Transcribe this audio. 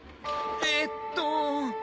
えーっと。